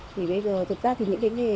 thì bây giờ thực ra thì những cái nghề